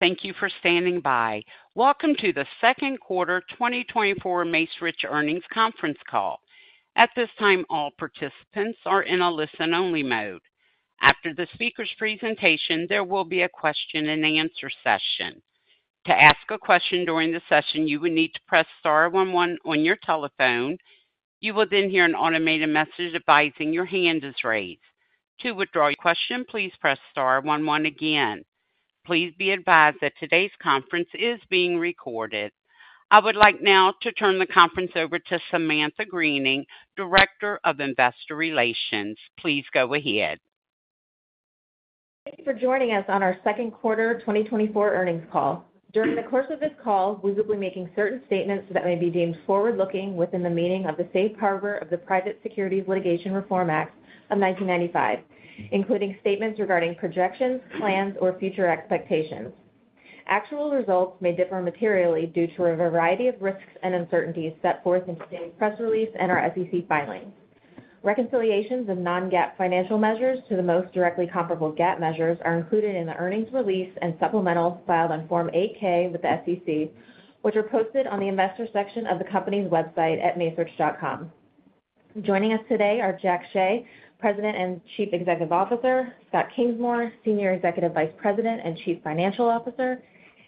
Thank you for standing by. Welcome to the second quarter 2024 Macerich Earnings conference call. At this time, all participants are in a listen-only mode. After the speaker's presentation, there will be a question-and-answer session. To ask a question during the session, you would need to press star 11 on your telephone. You will then hear an automated message advising your hand is raised. To withdraw your question, please press star 11 again. Please be advised that today's conference is being recorded. I would like now to turn the conference over to Samantha Greening, Director of Investor Relations. Please go ahead. Thank you for joining us on our second quarter 2024 earnings call. During the course of this call, we will be making certain statements that may be deemed forward-looking within the meaning of the Safe Harbor of the Private Securities Litigation Reform Act of 1995, including statements regarding projections, plans, or future expectations. Actual results may differ materially due to a variety of risks and uncertainties set forth in today's press release and our SEC filing. Reconciliations of non-GAAP financial measures to the most directly comparable GAAP measures are included in the earnings release and supplemental filed on Form 8-K with the SEC, which are posted on the investor section of the company's website at macerich.com. Joining us today are Jackson Hsieh, President and Chief Executive Officer, Scott Kingsmore, Senior Executive Vice President and Chief Financial Officer,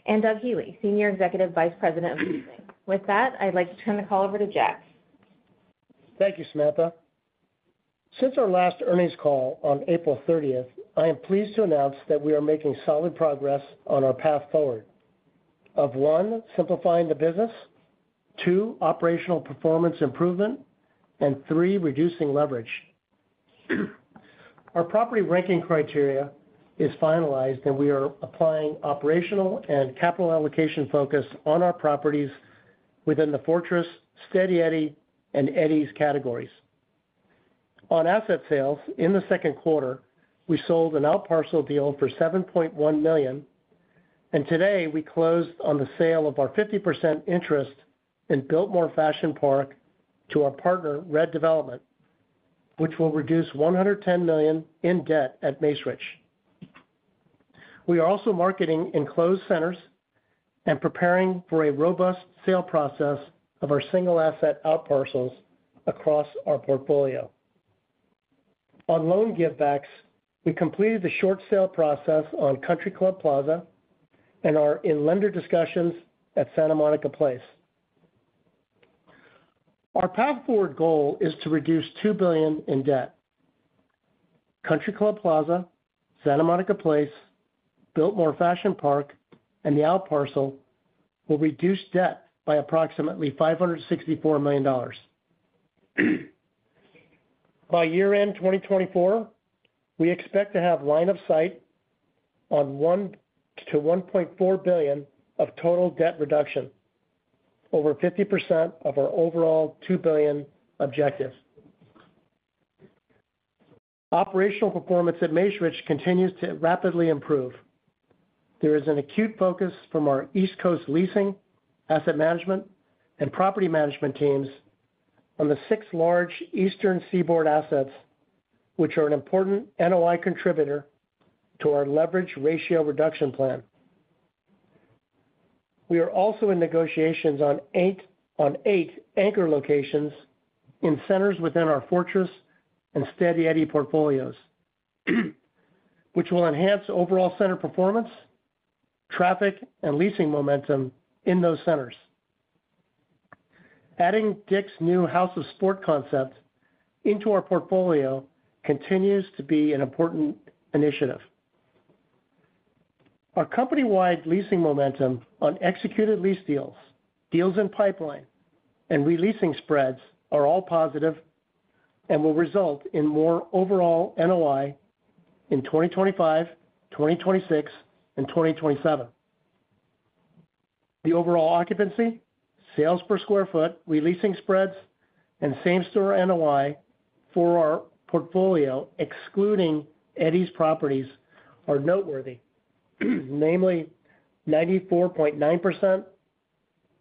and Doug Healey, Senior Executive Vice President of Leasing. With that, I'd like to turn the call over to Jack. Thank you, Samantha. Since our last earnings call on April 30th, I am pleased to announce that we are making solid progress on our Path Forward of, one, simplifying the business, two, operational performance improvement, and three, reducing leverage. Our property ranking criteria is finalized, and we are applying operational and capital allocation focus on our properties within the Fortress, Steady Eddie, and Eddies categories. On asset sales, in the second quarter, we sold an outparcel deal for $7.1 million, and today we closed on the sale of our 50% interest in Biltmore Fashion Park to our partner, RED Development, which will reduce $110 million in debt at Macerich. We are also marketing enclosed centers and preparing for a robust sale process of our single asset outparcels across our portfolio. On loan give-backs, we completed the short sale process on Country Club Plaza and are in lender discussions at Santa Monica Place. Our Path Forward goal is to reduce $2 billion in debt. Country Club Plaza, Santa Monica Place, Biltmore Fashion Park, and the outparcel will reduce debt by approximately $564 million. By year-end 2024, we expect to have line of sight on $1-$1.4 billion of total debt reduction, over 50% of our overall $2 billion objective. Operational performance at Macerich continues to rapidly improve. There is an acute focus from our East Coast Leasing, asset management, and property management teams on the six large Eastern Seaboard assets, which are an important NOI contributor to our leverage ratio reduction plan. We are also in negotiations on 8 anchor locations in centers within our Fortress and Steady Eddie portfolios, which will enhance overall center performance, traffic, and leasing momentum in those centers. Adding Dick's new House of Sport concept into our portfolio continues to be an important initiative. Our company-wide leasing momentum on executed lease deals, deals in pipeline, and releasing spreads are all positive and will result in more overall NOI in 2025, 2026, and 2027. The overall occupancy, sales per square foot, releasing spreads, and same-store NOI for our portfolio, excluding Eddie properties, are noteworthy, namely 94.9%,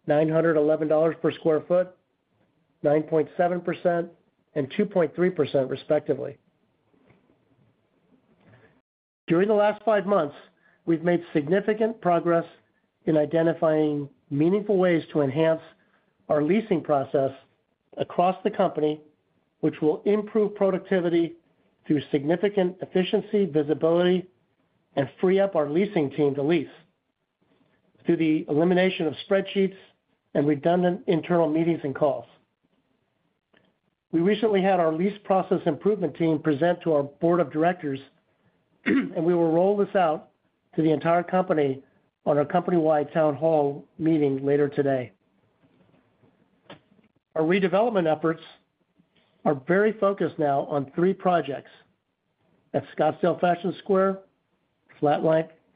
$911 per sq ft, 9.7%, and 2.3%, respectively. During the last five months, we've made significant progress in identifying meaningful ways to enhance our leasing process across the company, which will improve productivity through significant efficiency, visibility, and free up our leasing team to lease through the elimination of spreadsheets and redundant internal meetings and calls. We recently had our lease process improvement team present to our board of directors, and we will roll this out to the entire company on our company-wide town hall meeting later today. Our redevelopment efforts are very focused now on three projects at Scottsdale Fashion Square,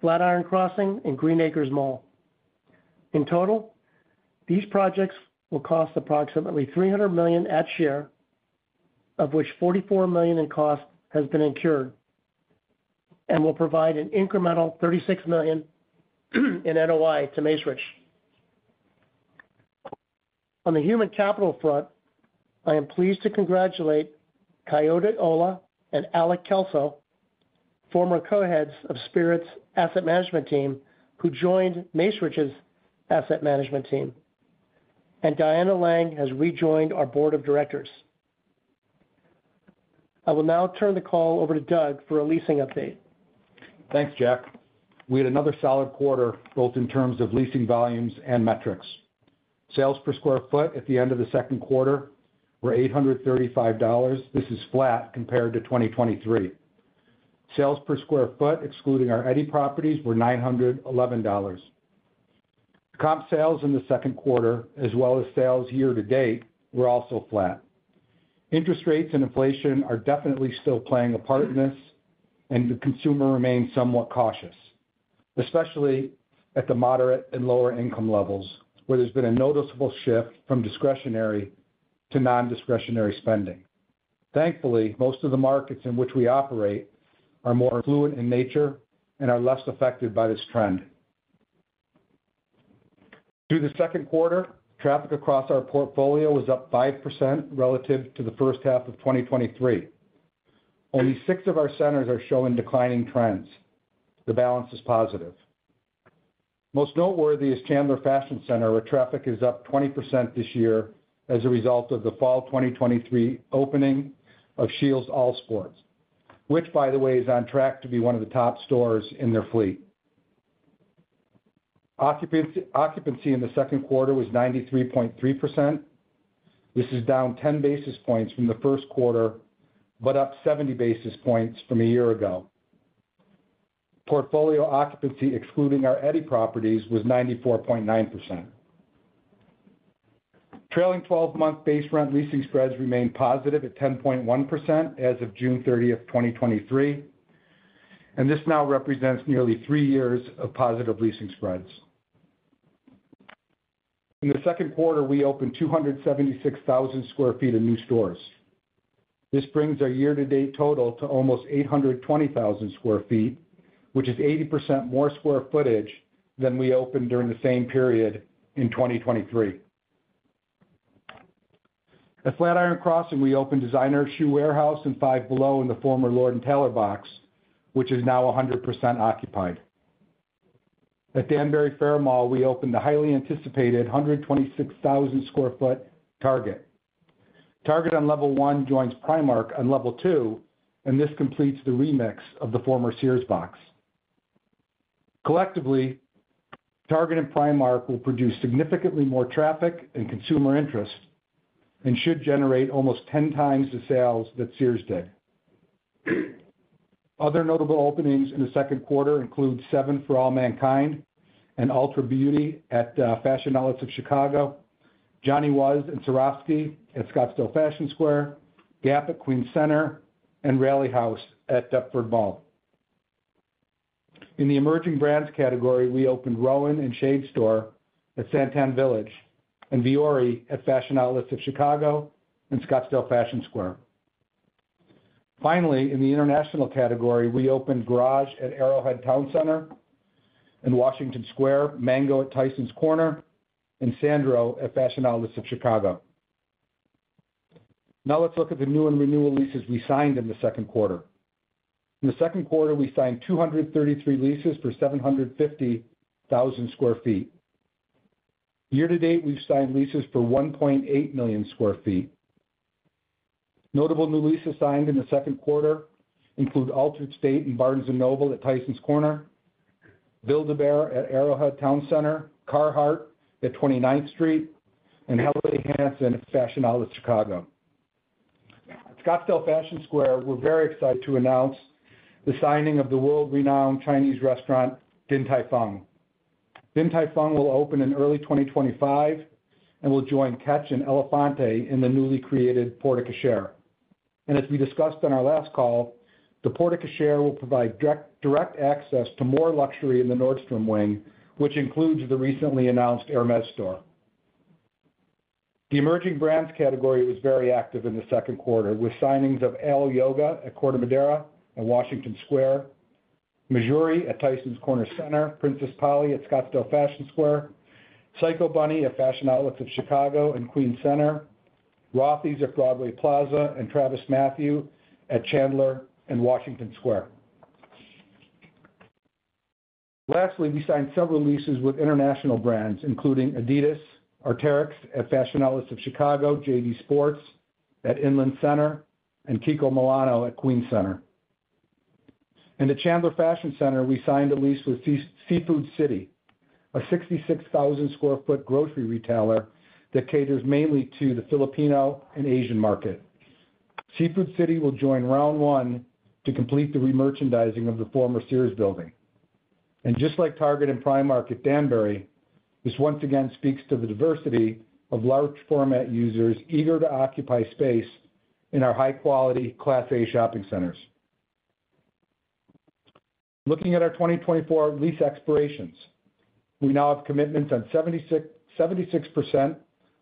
Flatiron Crossing, and Green Acres Mall. In total, these projects will cost approximately $300 million at share, of which $44 million in cost has been incurred, and will provide an incremental $36 million in NOI to Macerich. On the human capital front, I am pleased to congratulate Kayode Ola and Alec Kelso, former co-heads of Spirit's asset management team, who joined Macerich's asset management team, and Diana Laing has rejoined our board of directors. I will now turn the call over to Doug for a leasing update. Thanks, Jack. We had another solid quarter both in terms of leasing volumes and metrics. Sales per square foot at the end of the second quarter were $835. This is flat compared to 2023. Sales per square foot, excluding our Eddie properties, were $911. Comp sales in the second quarter, as well as sales year-to-date, were also flat. Interest rates and inflation are definitely still playing a part in this, and the consumer remains somewhat cautious, especially at the moderate and lower-income levels, where there's been a noticeable shift from discretionary to non-discretionary spending. Thankfully, most of the markets in which we operate are more affluent in nature and are less affected by this trend. Through the second quarter, traffic across our portfolio was up 5% relative to the first half of 2023. Only six of our centers are showing declining trends. The balance is positive. Most noteworthy is Chandler Fashion Center, where traffic is up 20% this year as a result of the fall 2023 opening of Scheels All Sports, which, by the way, is on track to be one of the top stores in their fleet. Occupancy in the second quarter was 93.3%. This is down 10 basis points from the first quarter, but up 70 basis points from a year ago. Portfolio occupancy, excluding our Eddie properties, was 94.9%. Trailing 12-month base rent leasing spreads remain positive at 10.1% as of June 30th, 2023, and this now represents nearly three years of positive leasing spreads. In the second quarter, we opened 276,000 sq ft of new stores. This brings our year-to-date total to almost 820,000 sq ft, which is 80% more square footage than we opened during the same period in 2023. At Flatiron Crossing, we opened a Designer Shoe Warehouse and Five Below in the former Lord & Taylor box, which is now 100% occupied. At Danbury Fair Mall, we opened the highly anticipated 126,000 sq ft Target. Target on level one joins Primark on level two, and this completes the remix of the former Sears box. Collectively, Target and Primark will produce significantly more traffic and consumer interest and should generate almost 10 times the sales that Sears did. Other notable openings in the second quarter include 7 For All Mankind and Ulta Beauty at Fashion Outlets of Chicago, Johnny Was and Swarovski at Scottsdale Fashion Square, Gap at Queens Center, and Rally House at Deptford Mall. In the emerging brands category, we opened Rowan and Shade Store at SanTan Village, and Vuori at Fashion Outlets of Chicago and Scottsdale Fashion Square. Finally, in the international category, we opened Garage at Arrowhead Towne Center and Washington Square, Mango at Tysons Corner, and Sandro at Fashion Outlets of Chicago. Now let's look at the new and renewal leases we signed in the second quarter. In the second quarter, we signed 233 leases for 750,000 sq ft. Year-to-date, we've signed leases for 1.8 million sq ft. Notable new leases signed in the second quarter include Altar'd State and Barnes & Noble at Tysons Corner, Build-A-Bear at Arrowhead Towne Center, Carhartt at 29th Street, and Helly Hansen at Fashion Outlets of Chicago. At Scottsdale Fashion Square, we're very excited to announce the signing of the world-renowned Chinese restaurant Din Tai Fung. Din Tai Fung will open in early 2025 and will join Catch and Élephante in the newly created porte-cochère. As we discussed on our last call, the porte-cochère will provide direct access to more luxury in the Nordstrom wing, which includes the recently announced Hermès store. The emerging brands category was very active in the second quarter, with signings of Alo Yoga at Corte Madera and Washington Square, Mejuri at Tysons Corner Center, Princess Polly at Scottsdale Fashion Square, Psycho Bunny at Fashion Outlets of Chicago and Queens Center, Rothy's at Broadway Plaza, and TravisMathew at Chandler and Washington Square. Lastly, we signed several leases with international brands, including Adidas, Arc'teryx at Fashion Outlets of Chicago, JD Sports at Inland Center, and Kiko Milano at Queens Center. At Chandler Fashion Center, we signed a lease with Seafood City, a 66,000 sq ft grocery retailer that caters mainly to the Filipino and Asian market. Seafood City will join Round1 to complete the re-merchandising of the former Sears building. And just like Target and Primark at Danbury, this once again speaks to the diversity of large-format users eager to occupy space in our high-quality Class A shopping centers. Looking at our 2024 lease expirations, we now have commitments on 76%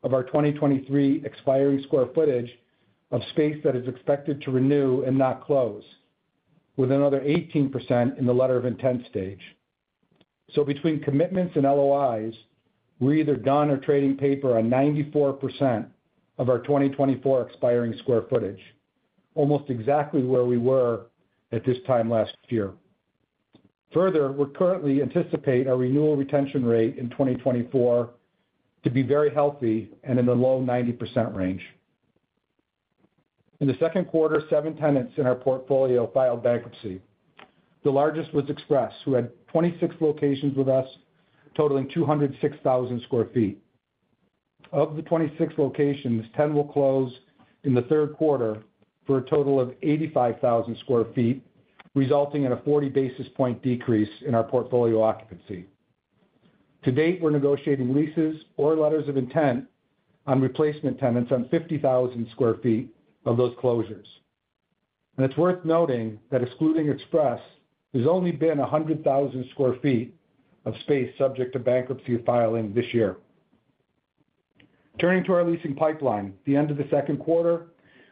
of our 2023 expiring square footage of space that is expected to renew and not close, with another 18% in the letter of intent stage. So between commitments and LOIs, we're either done or trading paper on 94% of our 2024 expiring square footage, almost exactly where we were at this time last year. Further, we currently anticipate our renewal retention rate in 2024 to be very healthy and in the low 90% range. In the second quarter, seven tenants in our portfolio filed bankruptcy. The largest was Express, who had 26 locations with us, totaling 206,000 sq ft. Of the 26 locations, 10 will close in the third quarter for a total of 85,000 sq ft, resulting in a 40 basis point decrease in our portfolio occupancy. To date, we're negotiating leases or letters of intent on replacement tenants on 50,000 sq ft of those closures. It's worth noting that, excluding Express, there's only been 100,000 sq ft of space subject to bankruptcy filing this year. Turning to our leasing pipeline, at the end of the second quarter,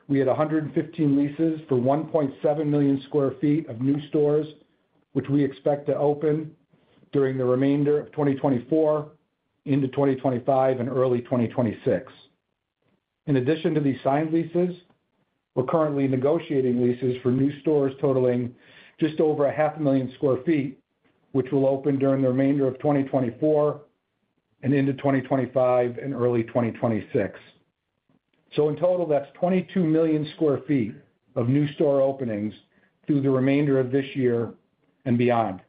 we had 115 leases for 1.7 million sq ft of new stores, which we expect to open during the remainder of 2024 into 2025 and early 2026. In addition to these signed leases, we're currently negotiating leases for new stores totaling just over 500,000 sq ft, which will open during the remainder of 2024 and into 2025 and early 2026. So in total, that's 2.2 million sq ft of new store openings through the remainder of this year and beyond.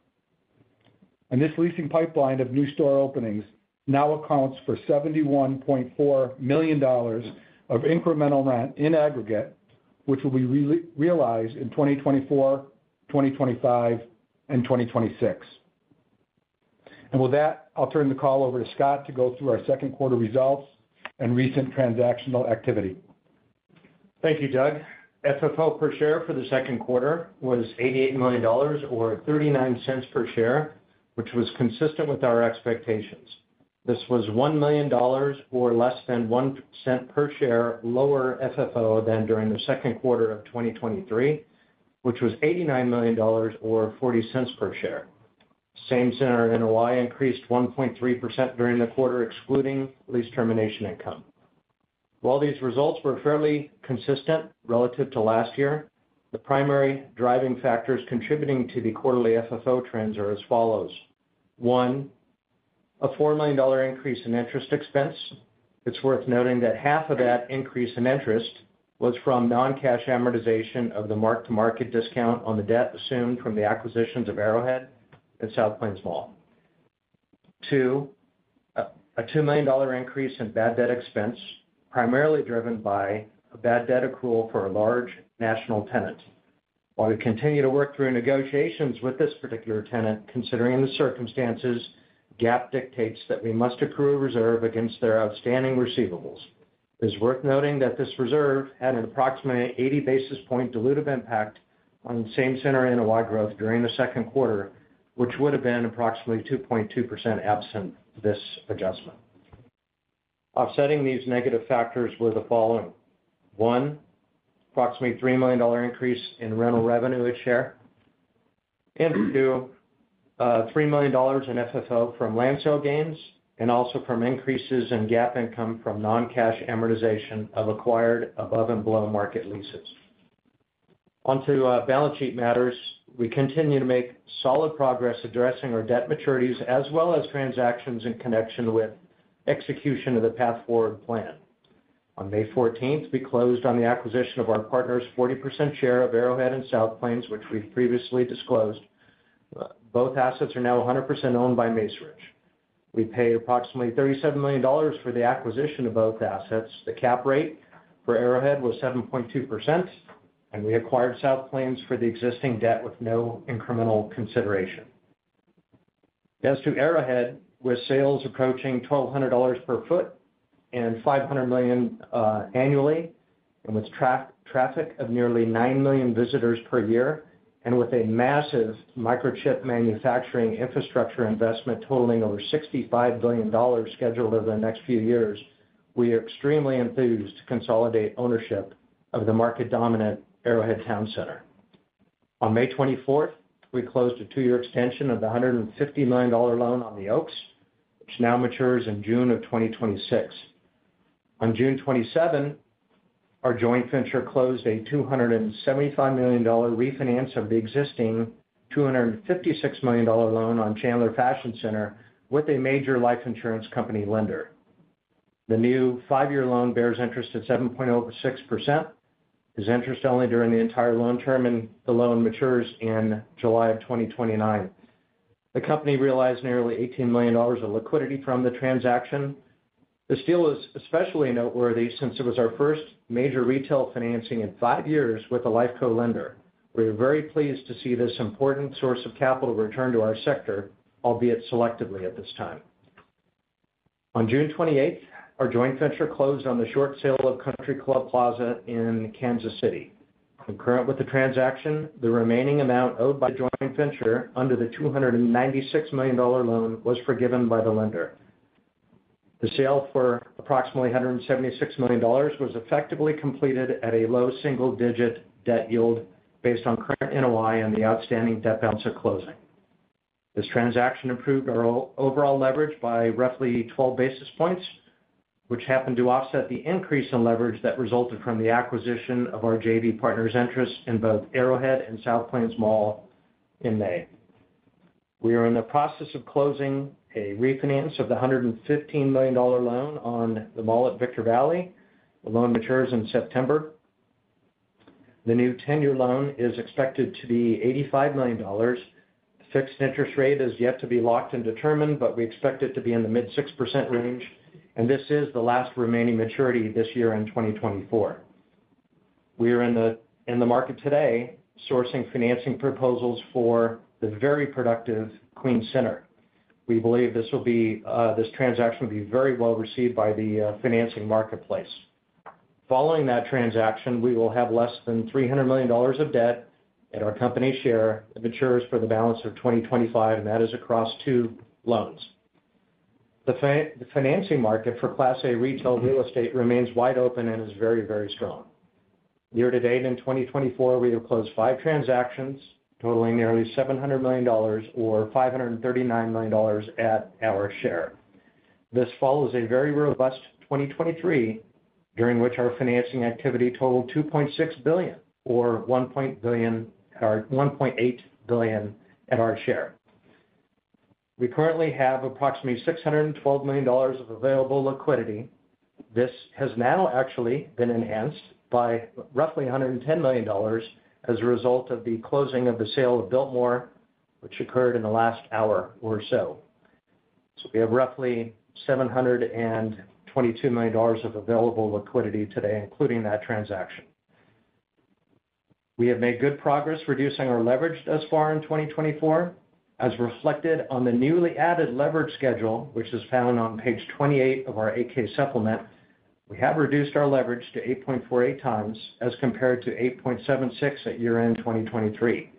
And this leasing pipeline of new store openings now accounts for $71.4 million of incremental rent in aggregate, which will be realized in 2024, 2025, and 2026. And with that, I'll turn the call over to Scott to go through our second quarter results and recent transactional activity. Thank you, Doug. FFO per share for the second quarter was $88 million, or $0.39 per share, which was consistent with our expectations. This was $1 million or less than $0.01 per share lower FFO than during the second quarter of 2023, which was $89 million, or $0.40 per share. Same Center NOI increased 1.3% during the quarter, excluding lease termination income. While these results were fairly consistent relative to last year, the primary driving factors contributing to the quarterly FFO trends are as follows. One, a $4 million increase in interest expense. It's worth noting that half of that increase in interest was from non-cash amortization of the mark-to-market discount on the debt assumed from the acquisitions of Arrowhead and South Plains Mall. Two, a $2 million increase in bad debt expense, primarily driven by a bad debt accrual for a large national tenant. While we continue to work through negotiations with this particular tenant, considering the circumstances, GAAP dictates that we must accrue a reserve against their outstanding receivables. It's worth noting that this reserve had an approximate 80 basis points dilutive impact on Same Center NOI growth during the second quarter, which would have been approximately 2.2% absent this adjustment. Offsetting these negative factors were the following: one, approximately $3 million increase in rental revenue a share, and two, $3 million in FFO from land sale gains and also from increases in GAAP income from non-cash amortization of acquired above-and-below market leases. Onto balance sheet matters, we continue to make solid progress addressing our debt maturities as well as transactions in connection with execution of the Path Forward plan. On May 14th, we closed on the acquisition of our partner's 40% share of Arrowhead and South Plains, which we've previously disclosed. Both assets are now 100% owned by Macerich. We paid approximately $37 million for the acquisition of both assets. The cap rate for Arrowhead Towne Center was 7.2%, and we acquired South Plains Mall for the existing debt with no incremental consideration. As to Arrowhead Towne Center, with sales approaching $1,200 per foot and $500 million annually, and with traffic of nearly 9 million visitors per year, and with a massive microchip manufacturing infrastructure investment totaling over $65 billion scheduled over the next few years, we are extremely enthused to consolidate ownership of the market-dominant Arrowhead Towne Center. On May 24th, we closed a two-year extension of the $150 million loan on The Oaks, which now matures in June of 2026. On June 27, our joint venture closed a $275 million refinance of the existing $256 million loan on Chandler Fashion Center with a major life insurance company lender. The new five-year loan bears interest at 7.06%. It's interest only during the entire loan term, and the loan matures in July of 2029. The company realized nearly $18 million in liquidity from the transaction. This deal was especially noteworthy since it was our first major retail financing in five years with a LifeCo lender. We are very pleased to see this important source of capital return to our sector, albeit selectively at this time. On June 28th, our joint venture closed on the short sale of Country Club Plaza in Kansas City. Concurrent with the transaction, the remaining amount owed by the joint venture under the $296 million loan was forgiven by the lender. The sale for approximately $176 million was effectively completed at a low single-digit debt yield based on current NOI and the outstanding debt balance at closing. This transaction improved our overall leverage by roughly 12 basis points, which happened to offset the increase in leverage that resulted from the acquisition of our J.V. partners interest in both Arrowhead and South Plains Mall in May. We are in the process of closing a refinance of the $115 million loan on the Mall at Victor Valley. The loan matures in September. The new 10-year loan is expected to be $85 million. The fixed interest rate is yet to be locked and determined, but we expect it to be in the mid-6% range, and this is the last remaining maturity this year in 2024. We are in the market today sourcing financing proposals for the very productive Queens Center. We believe this transaction will be very well received by the financing marketplace. Following that transaction, we will have less than $300 million of debt at our company share that matures for the balance of 2025, and that is across two loans. The financing market for Class A retail real estate remains wide open and is very, very strong. Year-to-date in 2024, we have closed five transactions totaling nearly $700 million or $539 million at our share. This follows a very robust 2023, during which our financing activity totaled $2.6 billion or $1.8 billion at our share. We currently have approximately $612 million of available liquidity. This has now actually been enhanced by roughly $110 million as a result of the closing of the sale of Biltmore, which occurred in the last hour or so. So we have roughly $722 million of available liquidity today, including that transaction. We have made good progress reducing our leverage thus far in 2024. As reflected on the newly added leverage schedule, which is found on page 28 of our 8-K Supplement, we have reduced our leverage to 8.48x as compared to 8.76x at year-end 2023.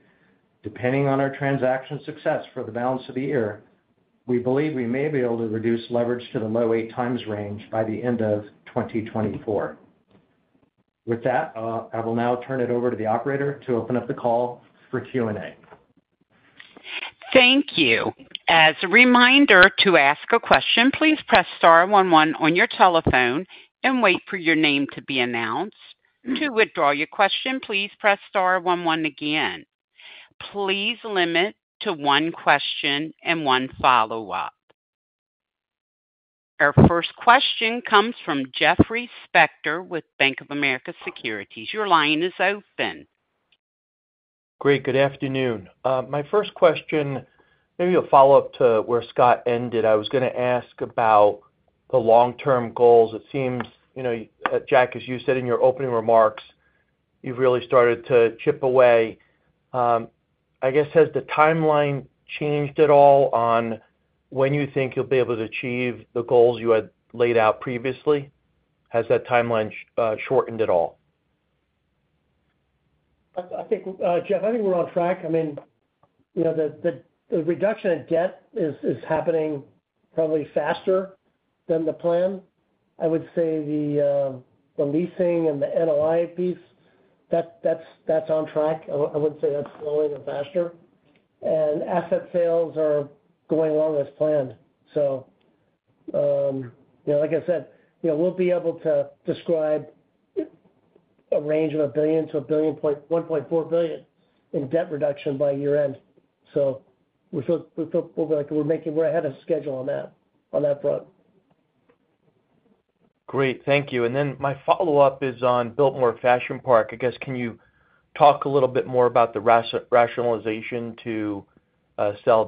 Depending on our transaction success for the balance of the year, we believe we may be able to reduce leverage to the low 8x range by the end of 2024. With that, I will now turn it over to the operator to open up the call for Q&A. Thank you. As a reminder to ask a question, please press star 11 on your telephone and wait for your name to be announced. To withdraw your question, please press star 11 again. Please limit to one question and one follow-up. Our first question comes from Jeffrey Spector with Bank of America Securities. Your line is open. Great. Good afternoon. My first question, maybe a follow-up to where Scott ended, I was going to ask about the long-term goals. It seems, Jack, as you said in your opening remarks, you've really started to chip away. I guess, has the timeline changed at all on when you think you'll be able to achieve the goals you had laid out previously? Has that timeline shortened at all? I think, Jeff, I think we're on track. I mean, the reduction in debt is happening probably faster than the plan. I would say the leasing and the NOI piece, that's on track. I wouldn't say that's slowing or faster. And asset sales are going along as planned. So, like I said, we'll be able to describe a range of $1 billion-$1.4 billion in debt reduction by year-end. So we're ahead of schedule on that front. Great. Thank you. And then my follow-up is on Biltmore Fashion Park. I guess, can you talk a little bit more about the rationalization to sell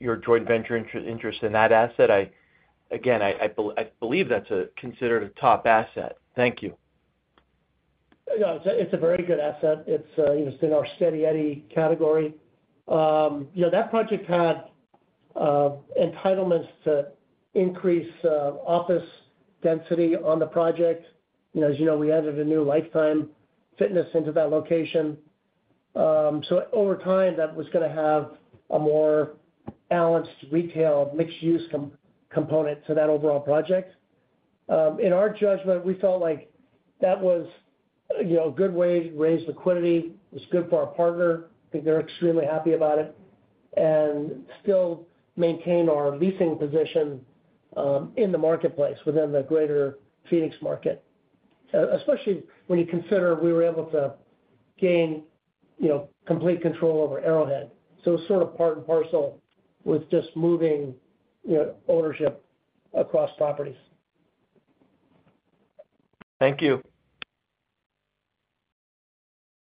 your joint venture interest in that asset? Again, I believe that's considered a top asset. Thank you. Yeah, it's a very good asset. It's in our Steady Eddie category. That project had entitlements to increase office density on the project. As you know, we added a new Life Time Fitness into that location. So, over time, that was going to have a more balanced retail mixed-use component to that overall project. In our judgment, we felt like that was a good way to raise liquidity. It was good for our partner. I think they're extremely happy about it and still maintain our leasing position in the marketplace within the greater Phoenix market, especially when you consider we were able to gain complete control over Arrowhead. So, it was sort of part and parcel with just moving ownership across properties. Thank you.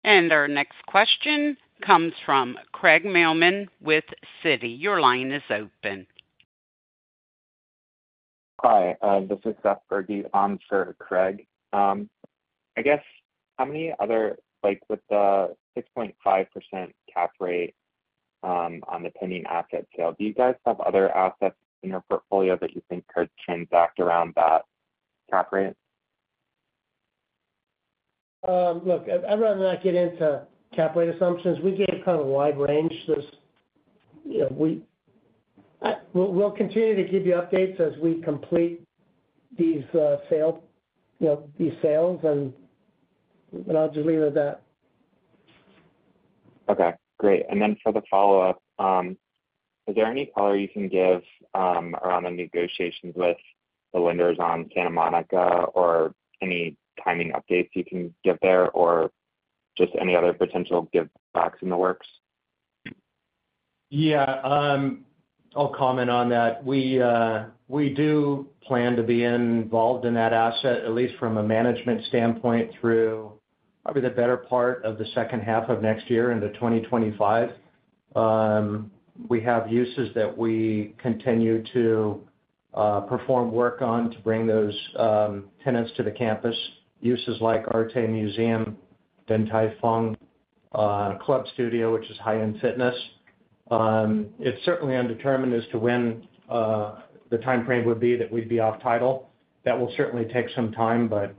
Our next question comes from Craig Mailman with Citi. Your line is open. Hi. This is Scott Fergie on for Craig. I guess, with the 6.5% cap rate on the pending asset sale, do you guys have other assets in your portfolio that you think could transact around that cap rate? Look, I'd rather not get into cap rate assumptions. We gave kind of a wide range. We'll continue to give you updates as we complete these sales, and I'll just leave it at that. Okay. Great. And then for the follow-up, is there any color you can give around the negotiations with the lenders on Santa Monica or any timing updates you can give there or just any other potential give-backs in the works? Yeah. I'll comment on that. We do plan to be involved in that asset, at least from a management standpoint, through probably the better part of the second half of next year into 2025. We have uses that we continue to perform work on to bring those tenants to the campus, uses like ARTE MUSEUM, Din Tai Fung, Club Studio, which is high-end fitness. It's certainly undetermined as to when the timeframe would be that we'd be off title. That will certainly take some time, but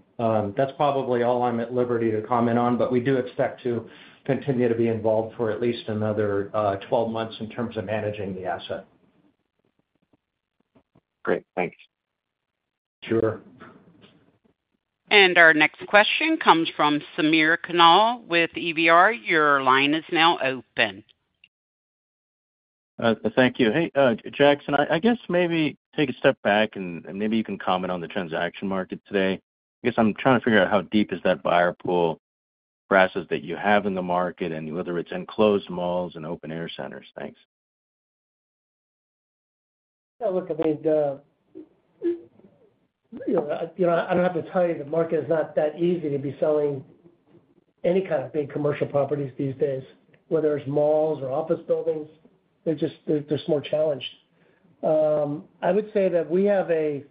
that's probably all I'm at liberty to comment on. But we do expect to continue to be involved for at least another 12 months in terms of managing the asset. Great. Thanks. Sure. And our next question comes from Samir Khanal with EVR. Your line is now open. Thank you. Hey, Jackson, I guess maybe take a step back and maybe you can comment on the transaction market today. I guess I'm trying to figure out how deep is that buyer pool grassroots that you have in the market and whether it's in enclosed malls and open-air centers. Thanks. Yeah. Look, I mean, I don't have to tell you the market is not that easy to be selling any kind of big commercial properties these days, whether it's malls or office buildings. They're just more challenged. I would say that we have a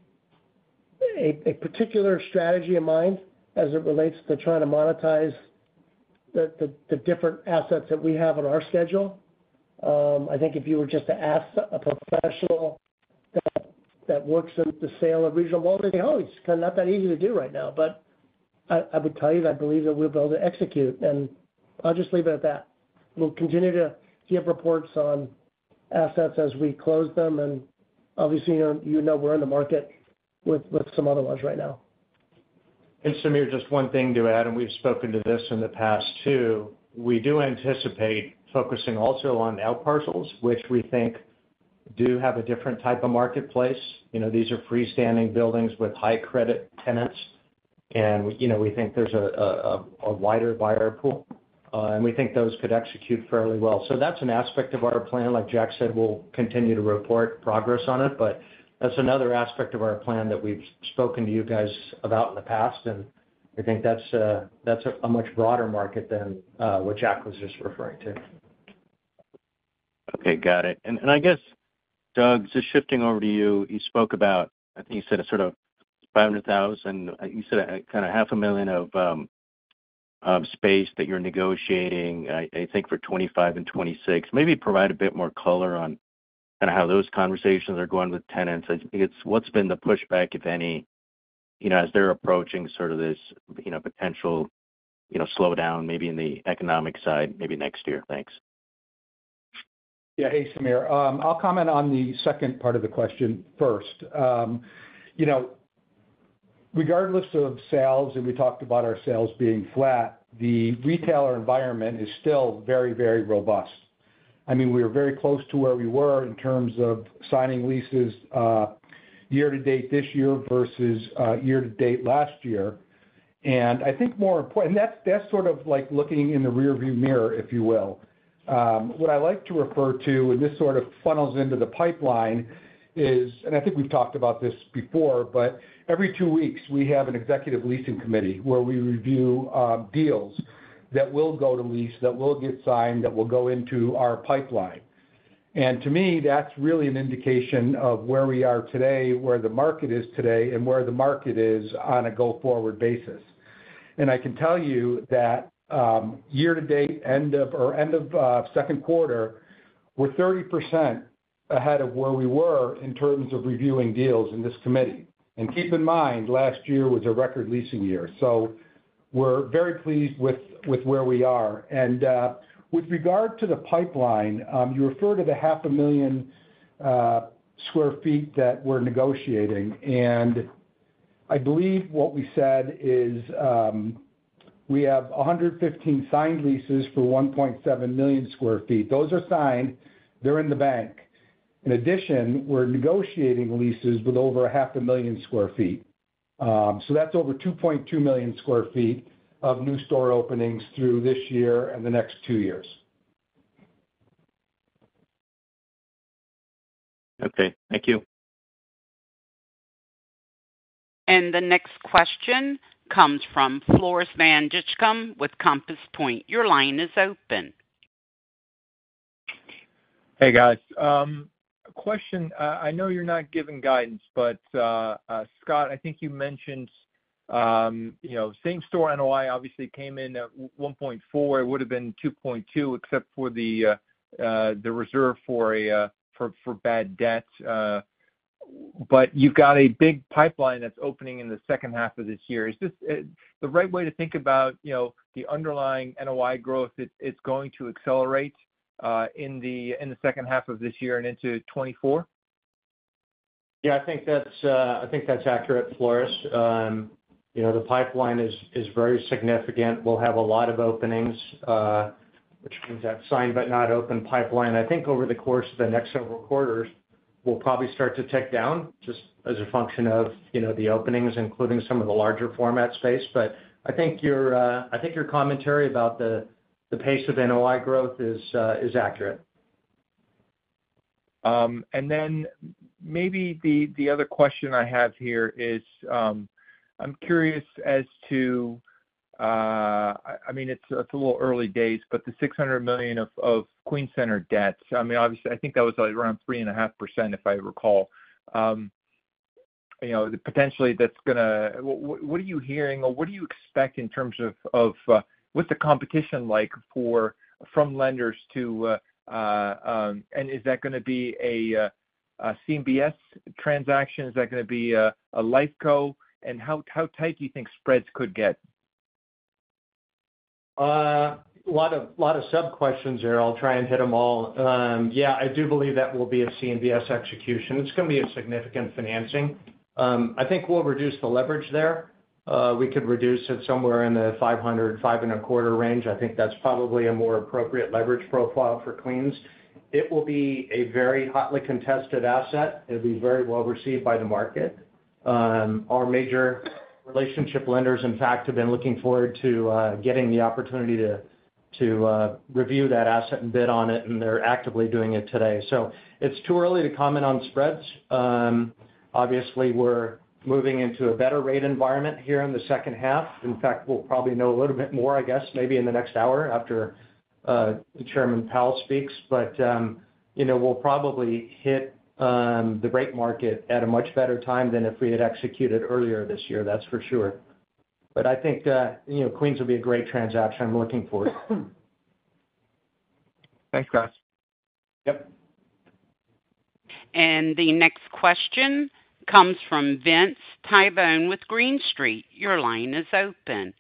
particular strategy in mind as it relates to trying to monetize the different assets that we have on our schedule. I think if you were just to ask a professional that works in the sale of regional malls, they'd say, "Oh, it's kind of not that easy to do right now." But I would tell you that I believe that we'll be able to execute, and I'll just leave it at that. We'll continue to give reports on assets as we close them. And obviously, you know we're in the market with some other ones right now. Samir, just one thing to add, and we've spoken to this in the past too. We do anticipate focusing also on outparcels, which we think do have a different type of marketplace. These are freestanding buildings with high-credit tenants, and we think there's a wider buyer pool, and we think those could execute fairly well. So that's an aspect of our plan. Like Jack said, we'll continue to report progress on it, but that's another aspect of our plan that we've spoken to you guys about in the past, and I think that's a much broader market than what Jack was just referring to. Okay. Got it. And I guess, Doug, just shifting over to you, you spoke about, I think you said a sort of 500,000. You said kind of half a million of space that you're negotiating, I think, for 2025 and 2026. Maybe provide a bit more color on kind of how those conversations are going with tenants. I think, what's been the pushback, if any, as they're approaching sort of this potential slowdown maybe in the economic side maybe next year. Thanks. Yeah. Hey, Samir. I'll comment on the second part of the question first. Regardless of sales, and we talked about our sales being flat, the retailer environment is still very, very robust. I mean, we are very close to where we were in terms of signing leases year-to-date this year versus year-to-date last year. And I think more important, and that's sort of like looking in the rearview mirror, if you will. What I like to refer to, and this sort of funnels into the pipeline, is, and I think we've talked about this before, but every two weeks, we have an executive leasing committee where we review deals that will go to lease, that will get signed, that will go into our pipeline. And to me, that's really an indication of where we are today, where the market is today, and where the market is on a go-forward basis. I can tell you that year-to-date end of second quarter, we're 30% ahead of where we were in terms of reviewing deals in this committee. Keep in mind, last year was a record leasing year. So we're very pleased with where we are. With regard to the pipeline, you refer to the 500,000 sq ft that we're negotiating. I believe what we said is we have 115 signed leases for 1.7 million sq ft. Those are signed. They're in the bank. In addition, we're negotiating leases with over 500,000 sq ft. So that's over 2.2 million sq ft of new store openings through this year and the next two years. Okay. Thank you. The next question comes from Floris Van Dijkum with Compass Point. Your line is open. Hey, guys. Question. I know you're not giving guidance, but Scott, I think you mentioned same store NOI obviously came in at 1.4%. It would have been 2.2% except for the reserve for bad debt. But you've got a big pipeline that's opening in the second half of this year. Is this the right way to think about the underlying NOI growth? It's going to accelerate in the second half of this year and into 2024? Yeah. I think that's accurate, Floris. The pipeline is very significant. We'll have a lot of openings, which means that signed but not open pipeline. I think over the course of the next several quarters, we'll probably start to tick down just as a function of the openings, including some of the larger format space. But I think your commentary about the pace of NOI growth is accurate. And then maybe the other question I have here is I'm curious as to—I mean, it's a little early days, but the $600 million of Queens Center debt. I mean, obviously, I think that was around 3.5%, if I recall. Potentially, that's going to—what are you hearing? Or what do you expect in terms of what's the competition like from lenders to—and is that going to be a CMBS transaction? Is that going to be a LIFECO? And how tight do you think spreads could get? A lot of sub-questions here. I'll try and hit them all. Yeah. I do believe that will be a CMBS execution. It's going to be a significant financing. I think we'll reduce the leverage there. We could reduce it somewhere in the 5.00-5.25 range. I think that's probably a more appropriate leverage profile for Queens. It will be a very hotly contested asset. It'll be very well received by the market. Our major relationship lenders, in fact, have been looking forward to getting the opportunity to review that asset and bid on it, and they're actively doing it today. So it's too early to comment on spreads. Obviously, we're moving into a better rate environment here in the second half. In fact, we'll probably know a little bit more, I guess, maybe in the next hour after Chairman Powell speaks. But we'll probably hit the right market at a much better time than if we had executed earlier this year, that's for sure. But I think Queens will be a great transaction. I'm looking forward to it. Thanks, guys. Yep. The next question comes from Vince Tibone with Green Street. Your line is open.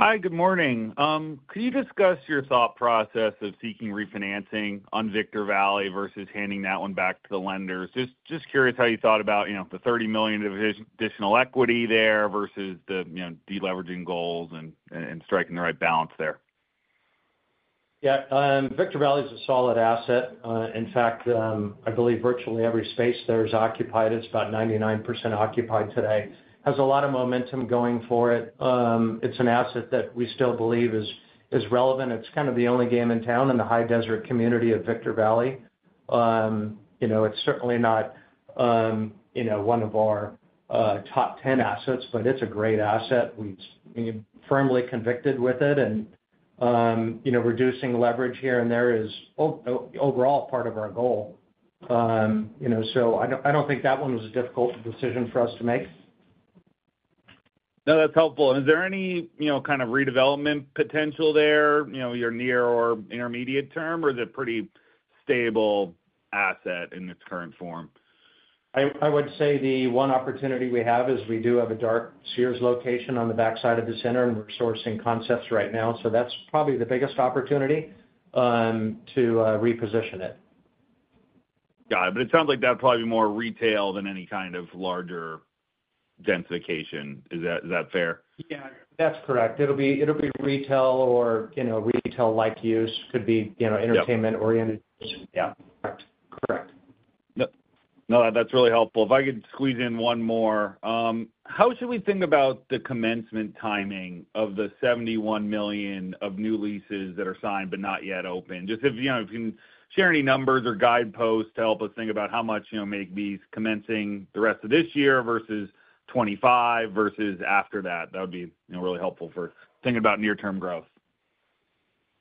Hi. Good morning. Could you discuss your thought process of seeking refinancing on Victor Valley versus handing that one back to the lenders? Just curious how you thought about the $30 million of additional equity there versus the deleveraging goals and striking the right balance there. Yeah. Victor Valley is a solid asset. In fact, I believe virtually every space there is occupied. It's about 99% occupied today. Has a lot of momentum going for it. It's an asset that we still believe is relevant. It's kind of the only game in town in the High Desert community of Victor Valley. It's certainly not one of our top 10 assets, but it's a great asset. We're firmly convicted with it, and reducing leverage here and there is overall part of our goal. So I don't think that one was a difficult decision for us to make. No, that's helpful. Is there any kind of redevelopment potential there? You're near or intermediate term, or is it a pretty stable asset in its current form? I would say the one opportunity we have is we do have a dark Sears location on the backside of the center, and we're sourcing concepts right now. So that's probably the biggest opportunity to reposition it. Got it. But it sounds like that'd probably be more retail than any kind of larger densification. Is that fair? Yeah. That's correct. It'll be retail or retail-like use. Could be entertainment-oriented. Yeah. Correct. Correct. No, that's really helpful. If I could squeeze in one more. How should we think about the commencement timing of the $71 million of new leases that are signed but not yet open? Just if you can share any numbers or guideposts to help us think about how much make these commencing the rest of this year versus 2025 versus after that. That would be really helpful for thinking about near-term growth.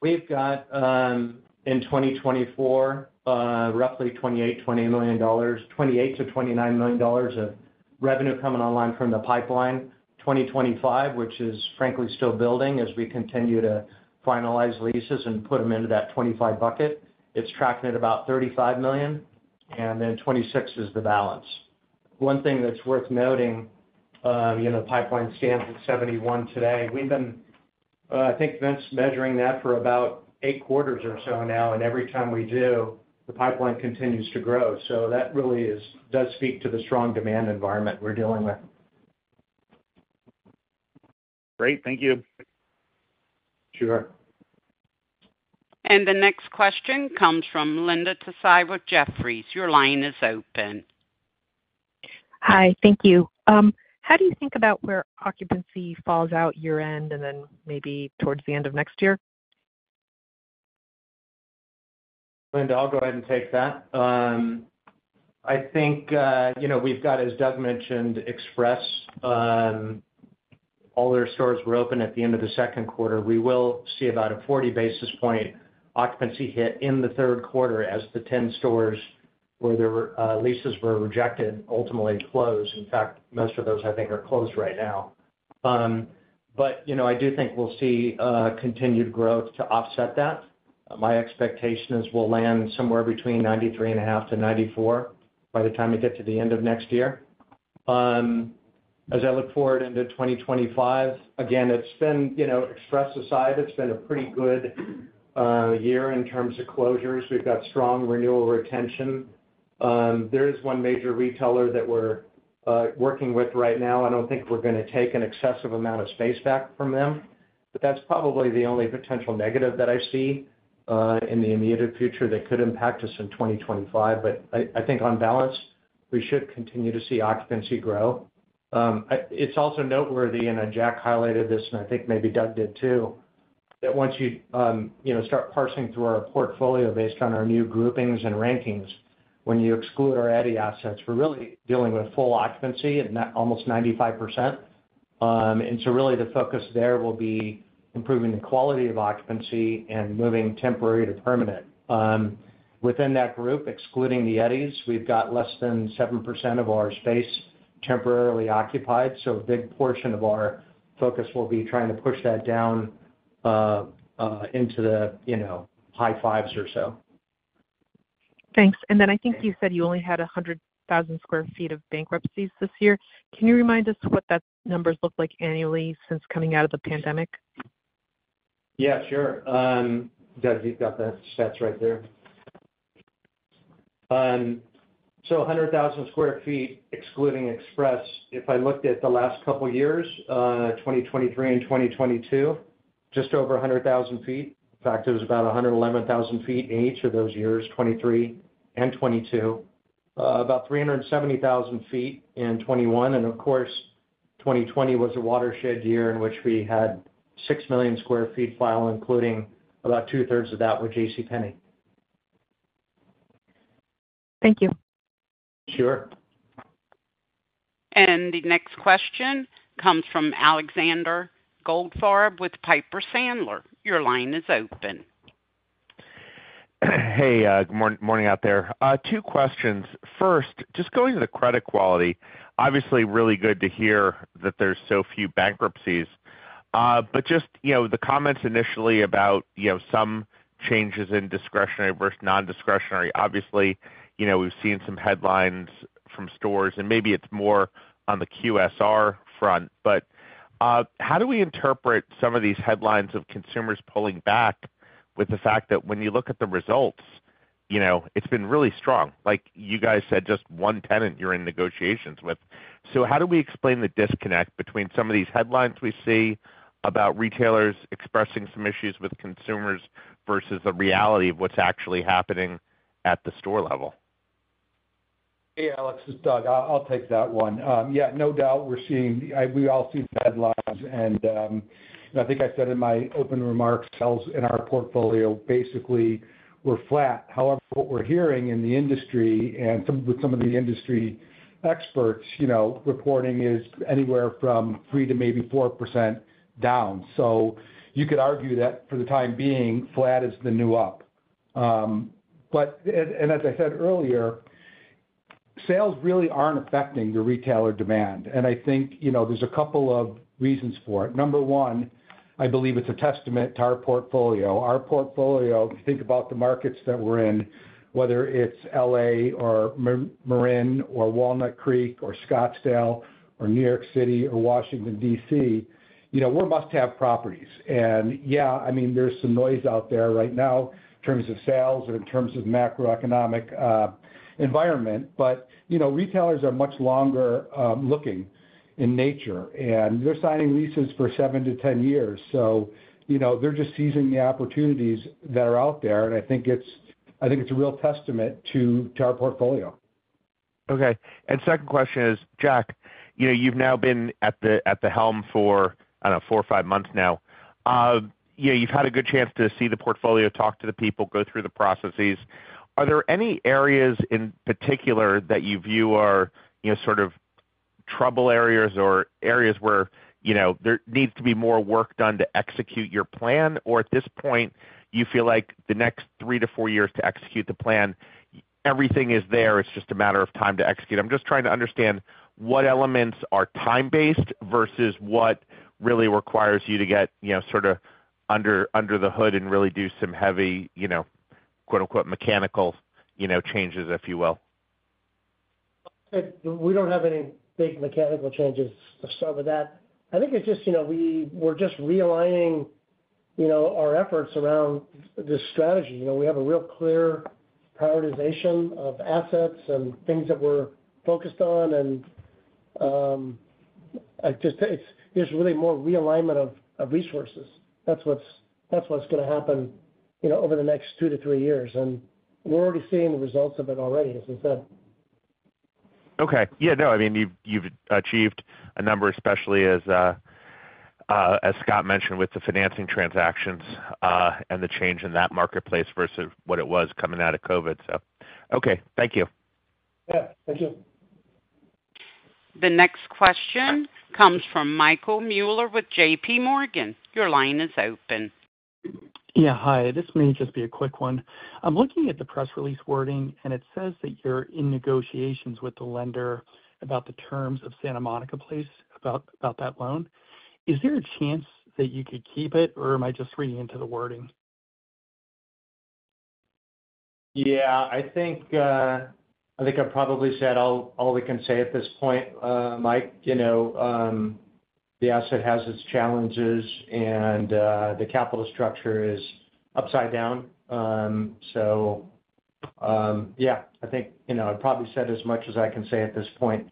We've got in 2024, roughly $28 million-$29 million of revenue coming online from the pipeline. 2025, which is frankly still building as we continue to finalize leases and put them into that 2025 bucket. It's tracking at about $35 million, and then 2026 is the balance. One thing that's worth noting, the pipeline stands at 71 today. I think Vince is measuring that for about eight quarters or so now, and every time we do, the pipeline continues to grow. So that really does speak to the strong demand environment we're dealing with. Great. Thank you. Sure. The next question comes from Linda Tsai, Jefferies. Your line is open. Hi. Thank you. How do you think about where occupancy falls out year-end and then maybe towards the end of next year? Linda, I'll go ahead and take that. I think we've got, as Doug mentioned, Express. All their stores were open at the end of the second quarter. We will see about a 40 basis point occupancy hit in the third quarter as the 10 stores where the leases were rejected ultimately close. In fact, most of those, I think, are closed right now. But I do think we'll see continued growth to offset that. My expectation is we'll land somewhere between 93.5-94 by the time we get to the end of next year. As I look forward into 2025, again, it's been Express aside, it's been a pretty good year in terms of closures. We've got strong renewal retention. There is one major retailer that we're working with right now. I don't think we're going to take an excessive amount of space back from them, but that's probably the only potential negative that I see in the immediate future that could impact us in 2025. But I think on balance, we should continue to see occupancy grow. It's also noteworthy, and Jack highlighted this, and I think maybe Doug did too, that once you start parsing through our portfolio based on our new groupings and rankings, when you exclude our Eddie assets, we're really dealing with full occupancy at almost 95%. And so really the focus there will be improving the quality of occupancy and moving temporary to permanent. Within that group, excluding the Eddie's, we've got less than 7% of our space temporarily occupied. So a big portion of our focus will be trying to push that down into the high fives or so. Thanks. And then I think you said you only had 100,000 sq ft of bankruptcies this year. Can you remind us what that numbers look like annually since coming out of the pandemic? Yeah. Sure. Doug, you've got the stats right there. So 100,000 sq ft, excluding Express, if I looked at the last couple of years, 2023 and 2022, just over 100,000 sq ft. In fact, it was about 111,000 sq ft in each of those years, 2023 and 2022. About 370,000 sq ft in 2021. And of course, 2020 was a watershed year in which we had 6 million sq ft file, including about two-thirds of that were JCPenney. Thank you. Sure. The next question comes from Alexander Goldfarb with Piper Sandler. Your line is open. Hey. Good morning out there. Two questions. First, just going to the credit quality. Obviously, really good to hear that there's so few bankruptcies. But just the comments initially about some changes in discretionary versus non-discretionary. Obviously, we've seen some headlines from stores, and maybe it's more on the QSR front. But how do we interpret some of these headlines of consumers pulling back with the fact that when you look at the results, it's been really strong? Like you guys said, just one tenant you're in negotiations with. So how do we explain the disconnect between some of these headlines we see about retailers expressing some issues with consumers versus the reality of what's actually happening at the store level? Hey, Alex. It's Doug. I'll take that one. Yeah. No doubt, we all see the headlines. And I think I said in my open remarks, sales in our portfolio basically were flat. However, what we're hearing in the industry and with some of the industry experts reporting is anywhere from 3% to maybe 4% down. So you could argue that for the time being, flat is the new up. And as I said earlier, sales really aren't affecting the retailer demand. And I think there's a couple of reasons for it. Number one, I believe it's a testament to our portfolio. Our portfolio, if you think about the markets that we're in, whether it's L.A. or Marin or Walnut Creek or Scottsdale or New York City or Washington, D.C., we're must-have properties. Yeah, I mean, there's some noise out there right now in terms of sales and in terms of macroeconomic environment. But retailers are much longer looking in nature, and they're signing leases for 7-10 years. So they're just seizing the opportunities that are out there. And I think it's a real testament to our portfolio. Okay. And second question is, Jack, you've now been at the helm for, I don't know, 4 or 5 months now. You've had a good chance to see the portfolio, talk to the people, go through the processes. Are there any areas in particular that you view are sort of trouble areas or areas where there needs to be more work done to execute your plan? Or at this point, you feel like the next 3-4 years to execute the plan, everything is there. It's just a matter of time to execute. I'm just trying to understand what elements are time-based versus what really requires you to get sort of under the hood and really do some heavy, quote-unquote, "mechanical changes," if you will. We don't have any big mechanical changes to start with that. I think it's just we're just realigning our efforts around the strategy. We have a real clear prioritization of assets and things that we're focused on. There's really more realignment of resources. That's what's going to happen over the next 2-3 years. We're already seeing the results of it already, as I said. Okay. Yeah. No, I mean, you've achieved a number, especially as Scott mentioned with the financing transactions and the change in that marketplace versus what it was coming out of COVID, so. Okay. Thank you. Yeah. Thank you. The next question comes from Michael Mueller with J.P. Morgan. Your line is open. Yeah. Hi. This may just be a quick one. I'm looking at the press release wording, and it says that you're in negotiations with the lender about the terms of Santa Monica Place about that loan. Is there a chance that you could keep it, or am I just reading into the wording? Yeah. I think I probably said all we can say at this point, Mike. The asset has its challenges, and the capital structure is upside down. So yeah, I think I probably said as much as I can say at this point.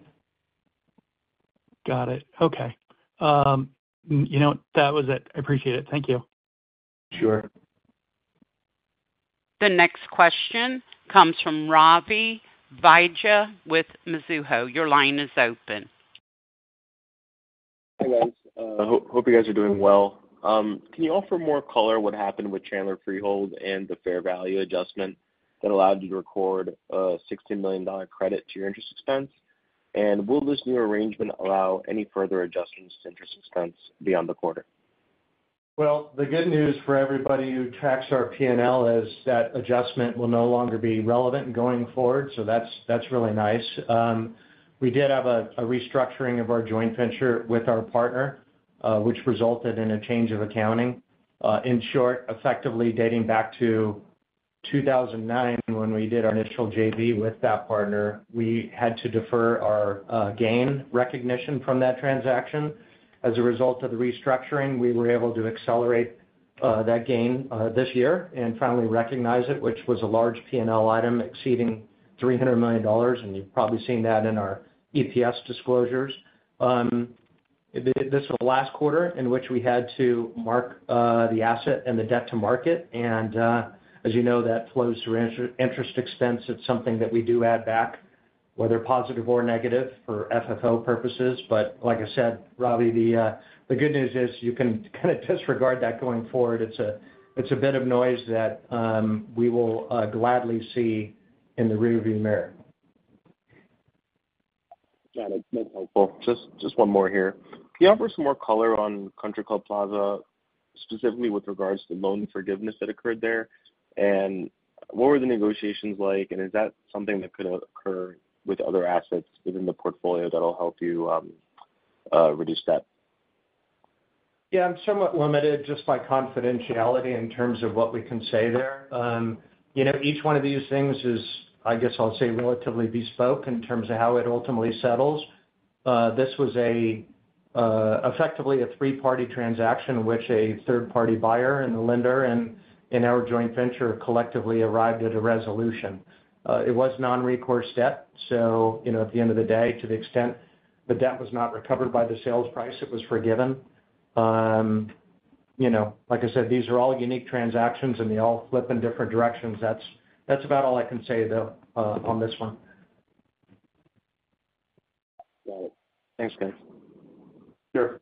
Got it. Okay. That was it. I appreciate it. Thank you. Sure. The next question comes from Ravi Vaidya with Mizuho. Your line is open. Hey, guys. Hope you guys are doing well. Can you offer more color on what happened with Chandler Freehold and the fair value adjustment that allowed you to record a $16 million credit to your interest expense? And will this new arrangement allow any further adjustments to interest expense beyond the quarter? Well, the good news for everybody who tracks our P&L is that adjustment will no longer be relevant going forward. So that's really nice. We did have a restructuring of our joint venture with our partner, which resulted in a change of accounting. In short, effectively dating back to 2009 when we did our initial JV with that partner, we had to defer our gain recognition from that transaction. As a result of the restructuring, we were able to accelerate that gain this year and finally recognize it, which was a large P&L item exceeding $300 million. And you've probably seen that in our EPS disclosures. This was the last quarter in which we had to mark the asset and the debt to market. And as you know, that flows through interest expense. It's something that we do add back, whether positive or negative for FFO purposes. Like I said, Ravi, the good news is you can kind of disregard that going forward. It's a bit of noise that we will gladly see in the rearview mirror. Got it. That's helpful. Just one more here. Can you offer some more color on Country Club Plaza, specifically with regards to loan forgiveness that occurred there? And what were the negotiations like? And is that something that could occur with other assets within the portfolio that'll help you reduce debt? Yeah. I'm somewhat limited, just by confidentiality in terms of what we can say there. Each one of these things is, I guess I'll say, relatively bespoke in terms of how it ultimately settles. This was effectively a three-party transaction in which a third-party buyer and the lender and our joint venture collectively arrived at a resolution. It was non-recourse debt. So at the end of the day, to the extent the debt was not recovered by the sales price, it was forgiven. Like I said, these are all unique transactions, and they all flip in different directions. That's about all I can say, though, on this one. Got it. Thanks, guys. Sure.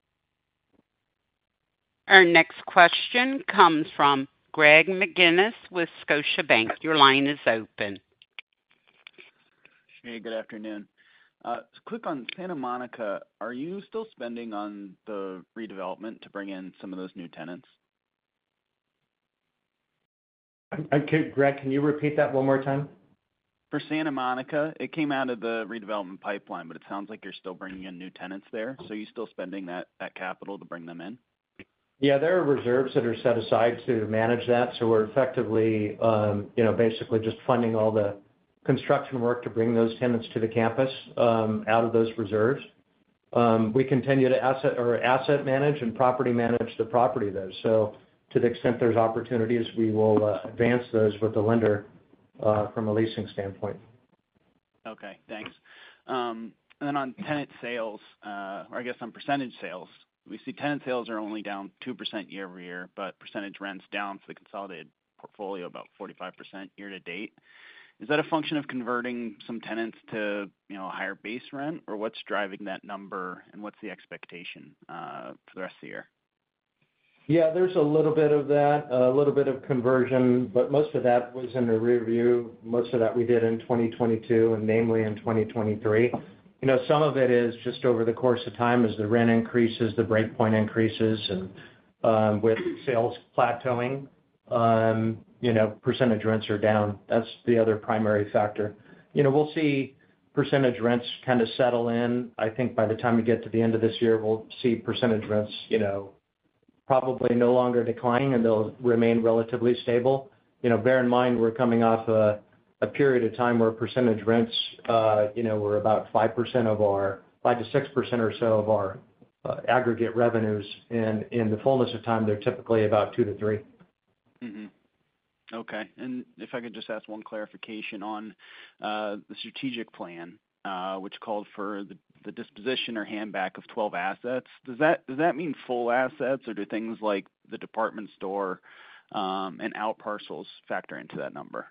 Our next question comes from Greg McGinniss with Scotiabank. Your line is open. Hey. Good afternoon. To click on Santa Monica, are you still spending on the redevelopment to bring in some of those new tenants? Greg, can you repeat that one more time? For Santa Monica, it came out of the redevelopment pipeline, but it sounds like you're still bringing in new tenants there. You're still spending that capital to bring them in? Yeah. There are reserves that are set aside to manage that. So we're effectively basically just funding all the construction work to bring those tenants to the campus out of those reserves. We continue to asset manage and property manage the property, though. So to the extent there's opportunities, we will advance those with the lender from a leasing standpoint. Okay. Thanks. And then on tenant sales, or I guess on percentage sales, we see tenant sales are only down 2% year-over-year, but percentage rent's down for the consolidated portfolio about 45% year-to-date. Is that a function of converting some tenants to a higher base rent, or what's driving that number, and what's the expectation for the rest of the year? Yeah. There's a little bit of that, a little bit of conversion, but most of that was in the rearview. Most of that we did in 2022, and namely in 2023. Some of it is just over the course of time as the rent increases, the breakpoint increases, and with sales plateauing, percentage rents are down. That's the other primary factor. We'll see percentage rents kind of settle in. I think by the time we get to the end of this year, we'll see percentage rents probably no longer declining, and they'll remain relatively stable. Bear in mind, we're coming off a period of time where percentage rents were about 5% of our 5%-6% or so of our aggregate revenues. And in the fullness of time, they're typically about 2%-3%. Okay. If I can just ask one clarification on the strategic plan, which called for the disposition or handback of 12 assets, does that mean full assets, or do things like the department store and outparcels factor into that number?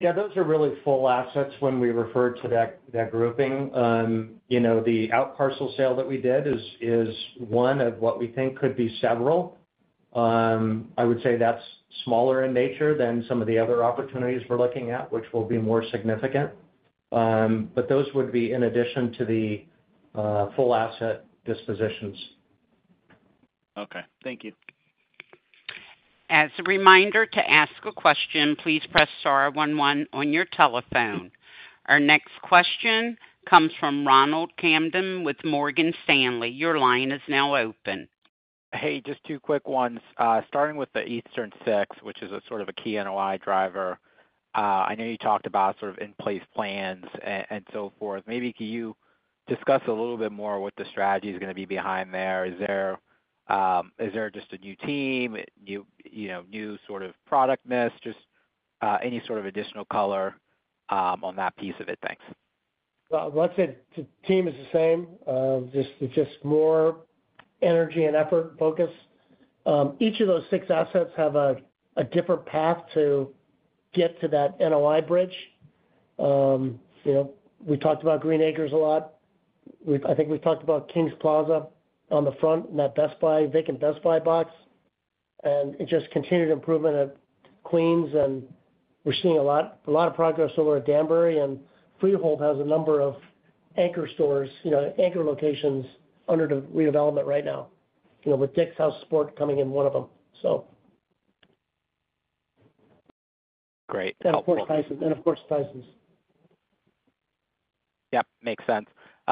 Yeah. Those are really full assets when we refer to that grouping. The outparcel sale that we did is one of what we think could be several. I would say that's smaller in nature than some of the other opportunities we're looking at, which will be more significant. But those would be in addition to the full asset dispositions. Okay. Thank you. As a reminder to ask a question, please press star 11 on your telephone. Our next question comes from Ronald Kamdem with Morgan Stanley. Your line is now open. Hey. Just two quick ones. Starting with the Eastern 6, which is sort of a key NOI driver, I know you talked about sort of in-place plans and so forth. Maybe can you discuss a little bit more what the strategy is going to be behind there? Is there just a new team, new sort of product mix, just any sort of additional color on that piece of it? Thanks. Well, I'd say the team is the same. Just more energy and effort focus. Each of those six assets have a different path to get to that NOI bridge. We talked about Green Acres a lot. I think we've talked about Kings Plaza on the front and that vacant Best Buy box. And it just continued improvement at Queens, and we're seeing a lot of progress over at Danbury. And Freehold has a number of anchor stores, anchor locations under the redevelopment right now, with Dick's House of Sport coming in one of them, so. Great. Of course. Of course, Tysons. Yep. Makes sense.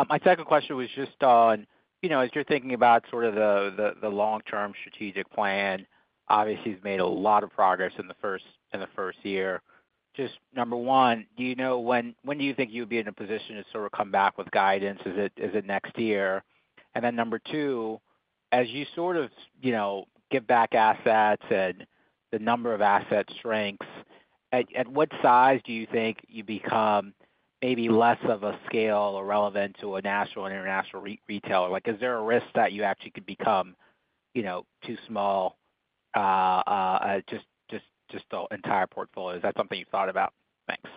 My second question was just on, as you're thinking about sort of the long-term strategic plan, obviously you've made a lot of progress in the first year. Just number one, do you know when do you think you would be in a position to sort of come back with guidance? Is it next year? And then number two, as you sort of give back assets and the number of assets shrinks, at what size do you think you become maybe less of a scale or relevant to a national and international retailer? Is there a risk that you actually could become too small, just the entire portfolio? Is that something you've thought about? Thanks.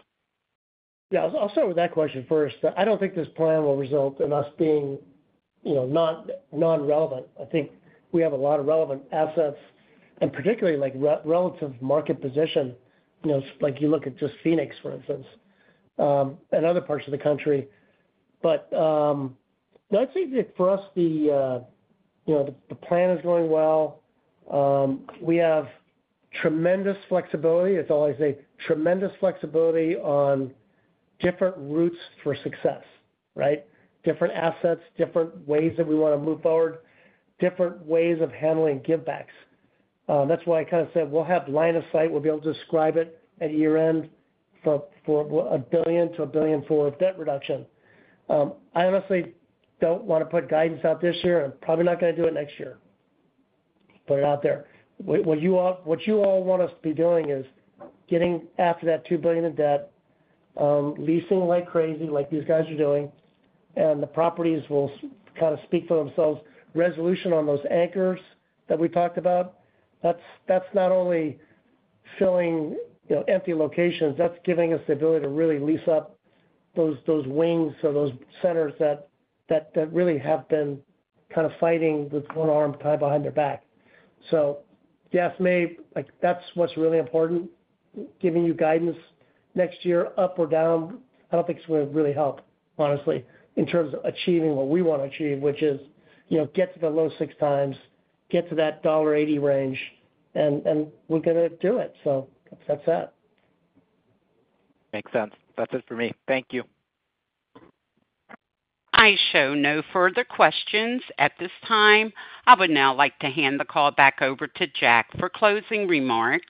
Yeah. I'll start with that question first. I don't think this plan will result in us being non-relevant. I think we have a lot of relevant assets and particularly relative market position. You look at just Phoenix, for instance, and other parts of the country. But I'd say for us, the plan is going well. We have tremendous flexibility. It's always a tremendous flexibility on different routes for success, right? Different assets, different ways that we want to move forward, different ways of handling give-backs. That's why I kind of said we'll have line of sight. We'll be able to describe it at year-end for $1 billion-$1.4 billion debt reduction. I honestly don't want to put guidance out this year. I'm probably not going to do it next year, but out there. What you all want us to be doing is getting after that $2 billion in debt, leasing like crazy, like these guys are doing, and the properties will kind of speak for themselves. Resolution on those anchors that we talked about, that's not only filling empty locations. That's giving us the ability to really lease up those wings or those centers that really have been kind of fighting with one arm tied behind their back. So yes, maybe that's what's really important. Giving you guidance next year, up or down, I don't think it's going to really help, honestly, in terms of achieving what we want to achieve, which is get to the low 6 times, get to that $1.80 range, and we're going to do it. So that's that. Makes sense. That's it for me. Thank you. I show no further questions at this time. I would now like to hand the call back over to Jack for closing remarks.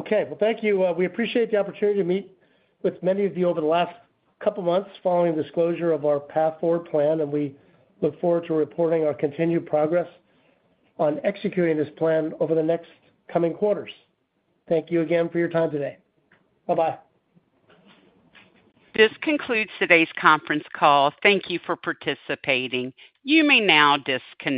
Okay. Well, thank you. We appreciate the opportunity to meet with many of you over the last couple of months following the disclosure of our Path Forward plan, and we look forward to reporting our continued progress on executing this plan over the next coming quarters. Thank you again for your time today. Bye-bye. This concludes today's conference call. Thank you for participating. You may now disconnect.